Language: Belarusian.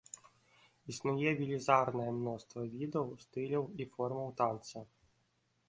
Існуе велізарнае мноства відаў, стыляў і формаў танца.